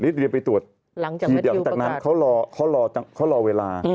ริเดียไปตรวจทีเดียวจากนั้นเขารอเวลา